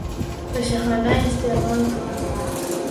پشه خانه استعمال کړئ.